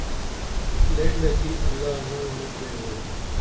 لینڈہ کی اللہ ننگ مہ پریبو